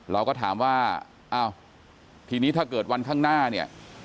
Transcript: เราก็ถามว่าอ้าวทีนี้ถ้าเกิดวันข้างหน้าเนี่ย